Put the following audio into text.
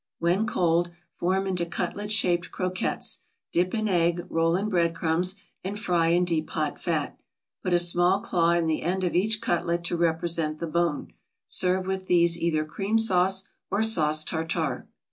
When cold, form into cutlet shaped croquettes, dip in egg, roll in bread crumbs, and fry in deep hot fat. Put a small claw in the end of each cutlet to represent the bone. Serve with these either cream sauce or sauce tartar.